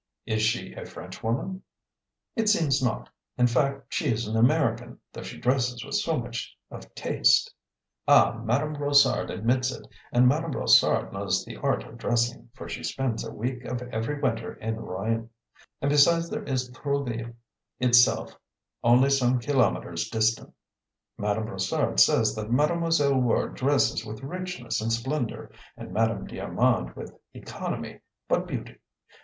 "Is she a Frenchwoman?" "It seems not. In fact, she is an American, though she dresses with so much of taste. Ah, Madame Brossard admits it, and Madame Brossard knows the art of dressing, for she spends a week of every winter in Rouen and besides there is Trouville itself only some kilometres distant. Madame Brossard says that Mademoiselle Ward dresses with richness and splendour and Madame d'Armand with economy, but beauty.